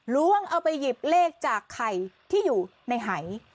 ล้วงเอาไปหยิบเลขจากไข่ที่อยู่ในหาย